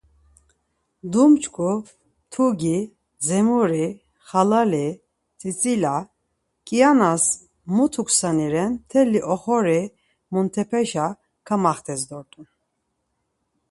Dumç̌ǩu, mtugi, dzemuri, xalali, tzitzila, ǩianas mutuksani ren mteli oxori muntepeşa kamaxtes dort̆un.